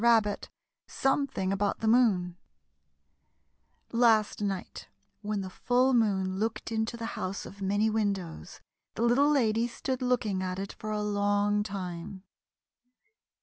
RABBIT SOMETHING ABOUT THE MOON Last night when the full moon looked into the House of Many Windows the Little Lady stood looking at it for a long time.